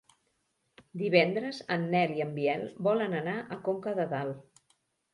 Divendres en Nel i en Biel volen anar a Conca de Dalt.